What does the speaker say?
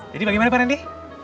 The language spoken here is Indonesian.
jadi bagaimana pak rendy